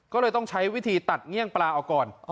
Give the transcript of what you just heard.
ก็เลยต้องใช้วิธีตัดเงี่ยงปลาเอาก่อน